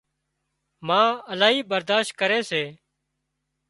ما الاهي برادشت ڪري سي